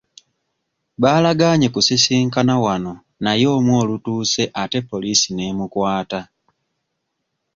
Baalagaanye kusisinkana wano naye omu olutuuse ate poliisi n'emukwata.